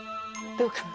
どうかな？